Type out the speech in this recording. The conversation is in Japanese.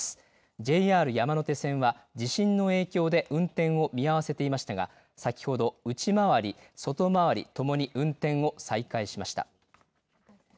ＪＲ山手線は、地震の影響で運転を見合わせていましたが先ほど内回り、外回りともに運転を再開しました。